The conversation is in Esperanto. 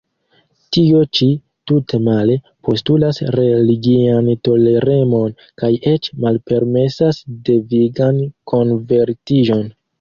Tio ĉi, tute male, postulas religian toleremon kaj eĉ malpermesas devigan konvertiĝon.